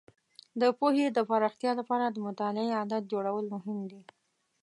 د پوهې د پراختیا لپاره د مطالعې عادت جوړول مهم دي.